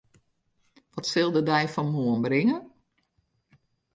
Wat sil de dei fan moarn bringe?